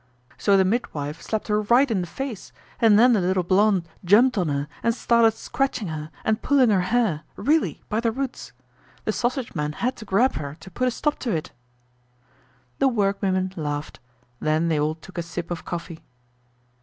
So the midwife slapped her right in the face and then the little blonde jumped on her and started scratching her and pulling her hair, really—by the roots. The sausage man had to grab her to put a stop to it." The workwomen laughed. Then they all took a sip of coffee.